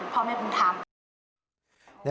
เป็นพ่อแม่บุญธรรม